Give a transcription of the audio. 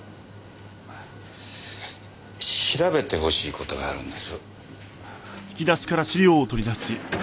調べてほしい事があるんです。